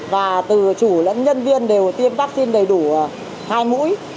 và từ chủ lẫn nhân viên đều tiêm vaccine đầy đủ hai mũi